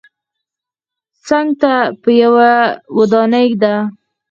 څنګ ته یې یوه ودانۍ ده.